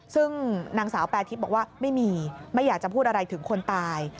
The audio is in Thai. ซึ่งนางสาวแปรทิพย์บอกว่าไม่มีไม่อยากจะพูดอะไรถึงคนตาย